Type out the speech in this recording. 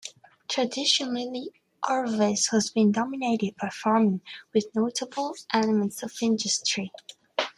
Traditionally, Oravais has been dominated by farming, with notable elements of industry.